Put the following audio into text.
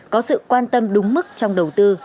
có sự quan tâm đúng mức trong đầu tư